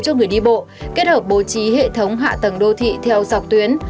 cho người đi bộ kết hợp bố trí hệ thống hạ tầng đô thị theo dọc tuyến